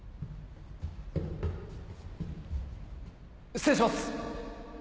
失礼します！